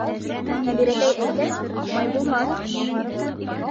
Нәбирәкәй әйткәс, уҡымай булмаҫ!..